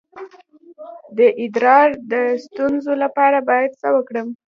د ادرار د ستونزې لپاره باید څه وکړم؟